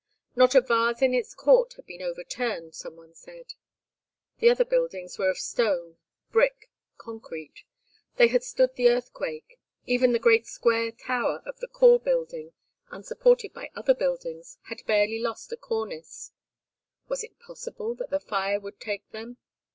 Not a vase in its court had been overturned, some one said. The other buildings were of stone, brick, concrete. They had stood the earthquake; even the great square tower of the Call Building, unsupported by other buildings, had barely lost a cornice. Was it possible that the fire would take them?